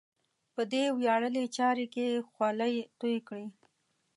په دې ویاړلې چارې کې یې خولې تویې کړې.